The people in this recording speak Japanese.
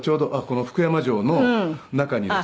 この福山城の中にですね